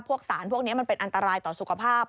พวกสารพวกนี้มันเป็นอันตรายต่อสุขภาพ